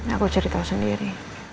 aku cari tahu sendiri